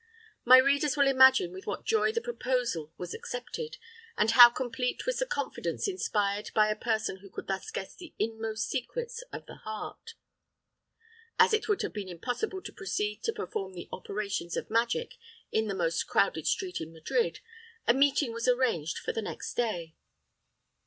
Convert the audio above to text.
My readers will imagine with what joy the proposal was accepted, and how complete was the confidence inspired by a person who could thus guess the inmost secrets of the heart. As it would have been impossible to proceed to perform the operations of magic in the most crowded street in Madrid, a meeting was arranged for the next day.